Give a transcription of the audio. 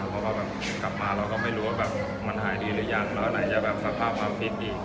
กลับมาเราก็ไม่รู้ว่ามันหายดีหรือยังแล้วไหนจะสภาพมากฤทธิ์อีก